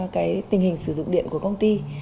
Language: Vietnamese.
cái tình hình sử dụng điện của công ty